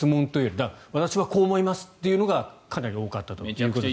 だから、私はこう思いますというのがかなり多かったと。